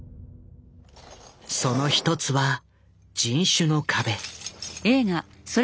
その１つは人種の壁。